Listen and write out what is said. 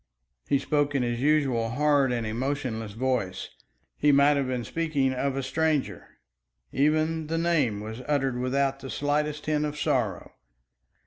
He spoke in his usual hard and emotionless voice. He might have been speaking of a stranger. Even the name was uttered without the slightest hint of sorrow.